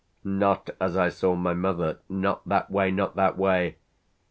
not as I saw my mother not that way, not that way!"